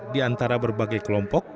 di antara berbagai kelompok